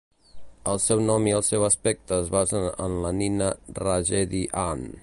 El seu nom i el seu aspecte es basen en la nina Raggedy Ann.